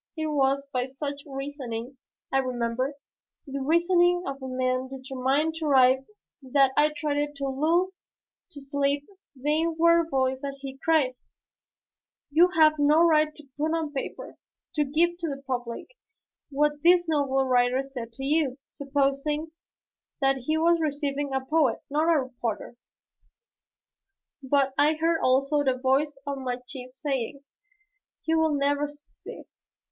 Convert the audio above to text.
It was by such reasoning, I remember, the reasoning of a man determined to arrive that I tried to lull to sleep the inward voice that cried, "You have no right to put on paper, to give to the public what this noble writer said to you, supposing that he was receiving a poet, not a reporter." But I heard also the voice of my chief saying, "You will never succeed."